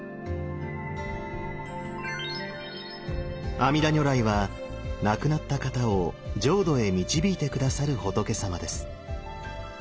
阿弥陀如来は亡くなった方を浄土へ導いて下さる仏さまです。